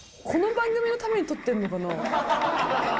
この番組のために撮ってるのかな？